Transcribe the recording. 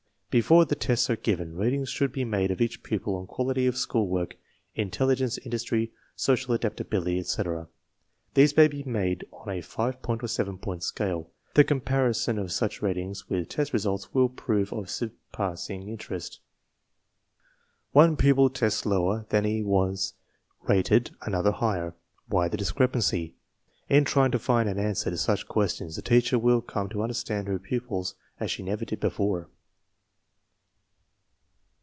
Before the tests are given, ratings should be made* of each pupil on quality of school work, intelli gence, industry, social adaptability, etc. These may be made on a five point or seven point scale. The compari son of such ratings with test results will prove of sur passing interest. One pupil tests lower than he was rated, another higher. Why the discrepancy? In trying to find an answer to such questions the teacher will come to understand her pupils as she never did before.